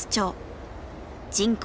人口